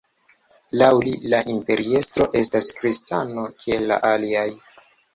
Laŭ li, la imperiestro estas kristano kiel la aliaj.